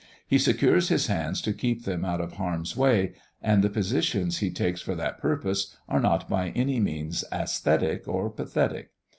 He secures his hands to keep them out of harm's way; and the positions he takes for that purpose are not by any means æsthetic or pathetic.